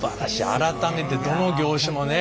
改めてどの業種もね